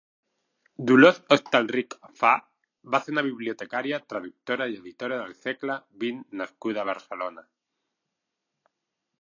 Dolors Hostalrich Fa va ser una bibliotecària, traductora i editora del segle vint nascuda a Barcelona.